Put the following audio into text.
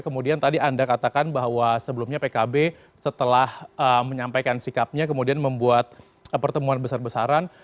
kemudian tadi anda katakan bahwa sebelumnya pkb setelah menyampaikan sikapnya kemudian membuat pertemuan besar besaran